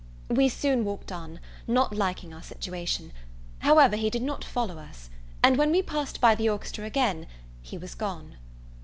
We soon walked on, not liking our situation; however, he did not follow us; and when we passed by the orchestra again, he was gone.